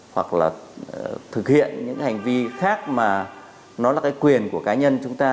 hoặc là thực hiện những hành vi khác mà nó là cái quyền của cá nhân chúng ta